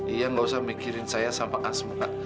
ya tidak usah memikirkan saya sama asma